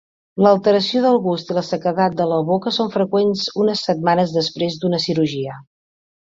L'alteració del gust i la sequedat de la boca són freqüents unes setmanes després d'una cirurgia.